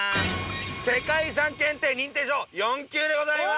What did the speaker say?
世界遺産検定認定証４級でございます！